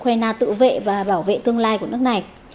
chính sách hỗ trợ ukraine tự vệ và bảo vệ tương lai của nước này